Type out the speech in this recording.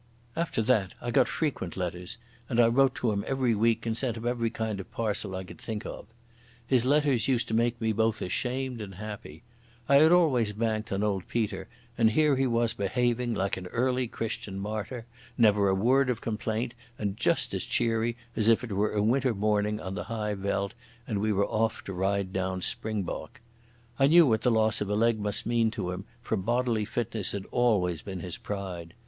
After that I got frequent letters, and I wrote to him every week and sent him every kind of parcel I could think of. His letters used to make me both ashamed and happy. I had always banked on old Peter, and here he was behaving like an early Christian martyr—never a word of complaint, and just as cheery as if it were a winter morning on the high veld and we were off to ride down springbok. I knew what the loss of a leg must mean to him, for bodily fitness had always been his pride.